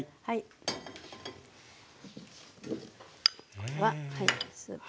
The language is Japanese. これははいスープ。